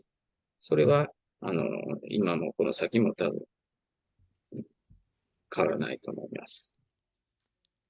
それは今もこの先もたぶん変わらないと思います。